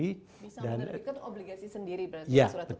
bisa menerbitkan obligasi sendiri berarti